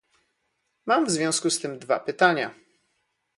Mam w związku z tym dwa pytania